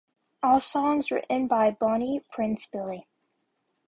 All songs written by Bonnie "Prince" Billy